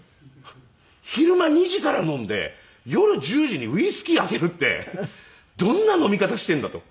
昼間２時から飲んで夜１０時にウイスキー開けるってどんな飲み方しているんだと。